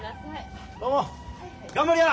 頑張りや！